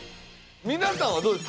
皆さんはどうです？